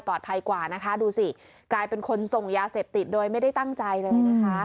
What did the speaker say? ภัยกว่านะคะดูสิกลายเป็นคนส่งยาเสพติดโดยไม่ได้ตั้งใจเลยนะคะ